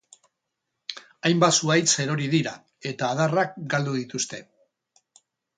Hainbat zuhaitz erori dira, edo adarrak galdu dituzte.